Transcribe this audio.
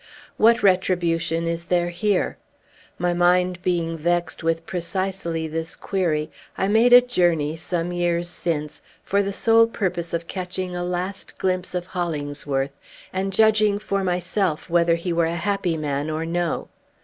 What retribution is there here? My mind being vexed with precisely this query, I made a journey, some years since, for the sole purpose of catching a last glimpse of Hollingsworth, and judging for myself whether he were a happy man or no.